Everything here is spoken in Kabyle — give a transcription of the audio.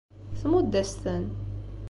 Tmudd-as-ten.